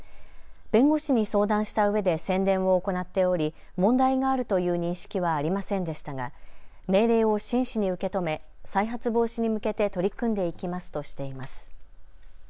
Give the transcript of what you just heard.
弁護士に相談したうえで宣伝を行っており問題があるという認識はありませんでしたが命令を真摯に受け止め再発防止に向けて取り組んでいきますとしています。